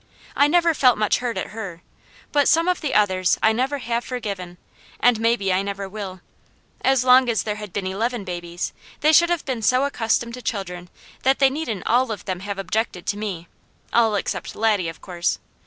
I never felt much hurt at her, but some of the others I never have forgiven and maybe I never will. As long as there had been eleven babies, they should have been so accustomed to children that they needn't all of them have objected to me, all except Laddie, of course.